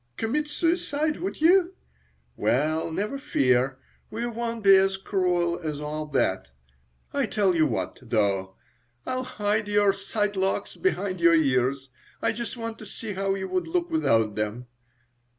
Commit suicide, would you? Well, never fear; we won't be as cruel as all that. I tell you what, though. I'll hide your side locks behind your ears. I just want to see how you would look without them."